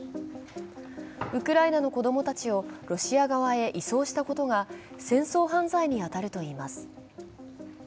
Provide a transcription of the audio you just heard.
ウクライナの子供たちをロシア側へ移送したことが戦争犯罪に当たるといいます。